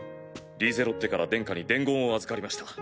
リーゼロッテから殿下に伝言を預かりました。